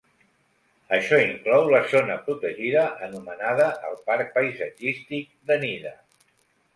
Això inclou la zona protegida anomenada el Parc Paisatgístic de Nida.